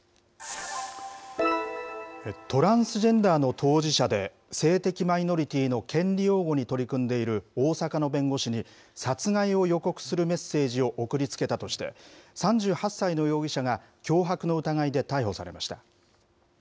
トランスジェンダーの当事者で、性的マイノリティーの権利擁護に取り組んでいる大阪の弁護士に、殺害を予告するメッセージを送りつけたとして、３８歳の容疑者が脅迫の疑いで逮捕されました。